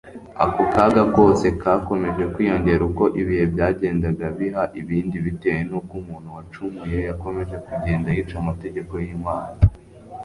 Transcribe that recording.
ako kaga kose kakomeje kwiyongera uko ibihe byagendaga biha ibindi bitewe n'uko umuntu wacumuye yakomeje kugenda yica amategeko y'imana